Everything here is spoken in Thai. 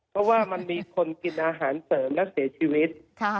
เพราะว่ามีคนกินอาหารเกินแล้วเสียชีวิต